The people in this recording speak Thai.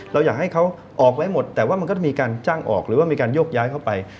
เราอยากให้เขาออกไว้หมดแต่ว่ามันก็จะมีการจ้างออกหรือว่ามีการโยกย้ายเข้าไป